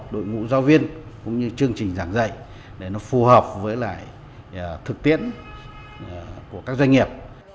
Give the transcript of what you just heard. đội ngũ giáo viên cũng như chương trình giảng dạy để nó phù hợp với lại thực tiễn của các doanh nghiệp